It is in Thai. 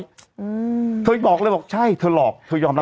เธออย่างนี้บอกเลยบอกใช่เธอหลอกเธอยอมล่ะ